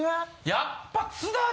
やっぱり。